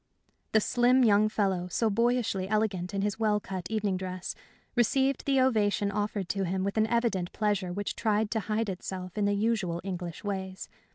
The slim, young fellow, so boyishly elegant in his well cut evening dress, received the ovation offered to him with an evident pleasure which tried to hide itself in the usual English ways.